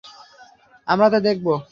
আমরা তা দেখব।